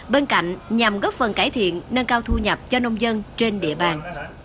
bên cạnh nhằm góp phần cải thiện nâng cao thu nhập cho nông dân trên địa bàn